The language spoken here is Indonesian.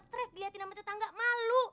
stres dilihatin sama tetangga malu